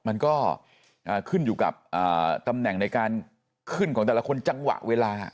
มันก็ขึ้นอยู่กับตำแหน่งในการขึ้นของแต่ละคนจังหวะเวลา